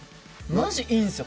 マジいいんですよ